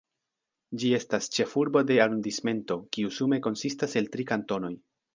Ĝi estas ĉefurbo de arondismento, kiu sume konsistas el tri kantonoj.